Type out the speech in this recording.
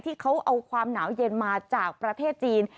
ที่เขาเอาความหนาวเย็นมาจากประเทศจีน